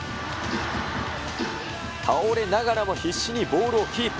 倒れながらも必死にボールをキープ。